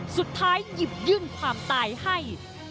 สุดท้ายหยิบยึ้งความตายให้